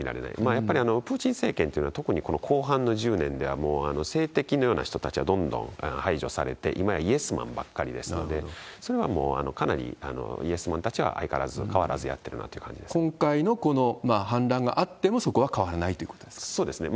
やっぱりプーチン政権というのは、一般の人たちの間では、特にこの後半の１０年では政敵のような人たちはどんどん排除されて、今はイエスマンばっかりですので、それはもうイエスマンたちは相変わらず、変わらずやってるなとい今回の反乱があっても、そこそうですね